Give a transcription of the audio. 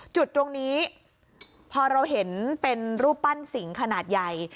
จุดตรงนี้พอเราเห็นเป็นรูปปั้นสิงขนาดใหญ่